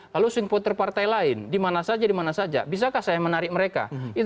lalu swing voter partai lain dimana saja bisakah saya menarik mereka